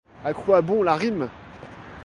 À quoi bon la rime?